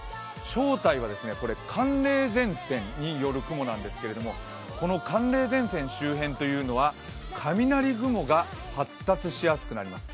正体は寒冷前線による雲なんですけれども、この寒冷前線周辺というのは雷雲が発達しやすくなります。